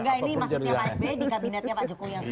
enggak ini maksudnya pak sby di kabinetnya pak jokowi yang sekarang